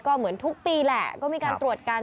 ก็เหมือนทุกปีแหละก็มีการตรวจกัน